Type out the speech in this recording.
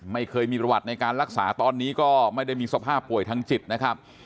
ไม่เคยมีประวัติในการรักษาตอนนี้ก็ไม่ได้มีสภาพป่วยทางจิตนะครับ